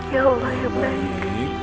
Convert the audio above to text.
ya allah yang baik